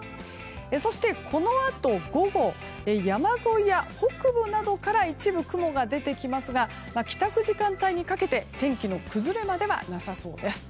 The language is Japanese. そして、このあと午後山沿いや北部などから一部、雲が出てきますが帰宅時間帯にかけて天気の崩れまではなさそうです。